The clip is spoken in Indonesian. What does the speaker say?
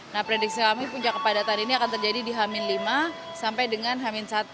nah prediksi kami puncak kepadatan ini akan terjadi di hamin lima sampai dengan hamin satu